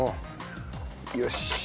よし。